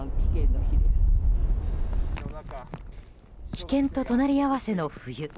危険と隣り合わせの冬。